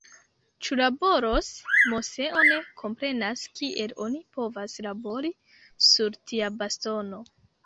Ĉu laboros? Moseo ne komprenas kiel oni povas "labori" sur tia bastono.